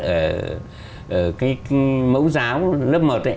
ở cái mẫu giáo lớp một